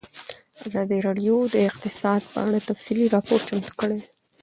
ازادي راډیو د اقتصاد په اړه تفصیلي راپور چمتو کړی.